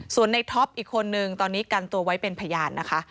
ส่วนในท็อปอีกคนนึงตอนนี้กันตัวไว้เป็นพยานนะคะ